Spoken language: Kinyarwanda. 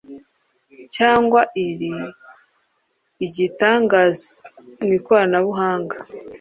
cyangwa ari igitangaza mu ikoranabuhanga